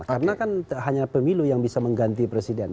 karena kan hanya pemilu yang bisa mengganti presiden